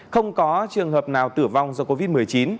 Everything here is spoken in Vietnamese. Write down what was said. không có trường hợp nào tử vong do covid một mươi chín